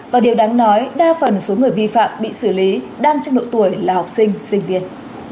và điều đáng nói đa phần số người vi phạm bị xử lý đang trong độ tuổi là học sinh sinh viên